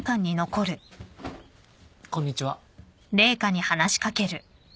こんにちは。